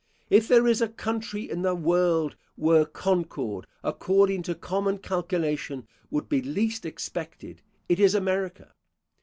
If there is a country in the world where concord, according to common calculation, would be least expected, it is America.